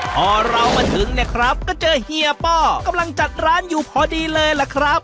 พอเรามาถึงเนี่ยครับก็เจอเฮียป้อกำลังจัดร้านอยู่พอดีเลยล่ะครับ